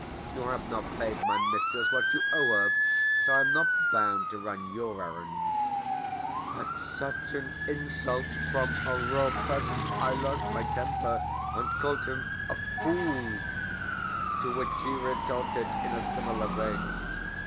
"You have not paid my mistress what you owe her, so I am not bound to run your errands." At such an insult from a raw peasant I lost my temper, and called him a fool; to which he retorted in a similar vein.